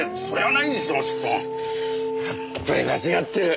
やっぱり間違ってる。